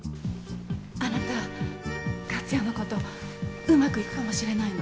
あなた克哉のことうまくいくかもしれないの。